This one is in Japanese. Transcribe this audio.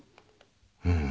うん。